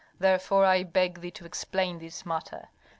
Therefore I beg thee to explain this matter.